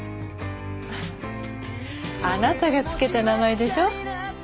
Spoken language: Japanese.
あなたが付けた名前でしょ？